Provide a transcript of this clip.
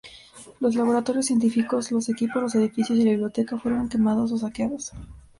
Los laboratorios científicos, los equipos, los edificios y la biblioteca fueron quemados o saqueados.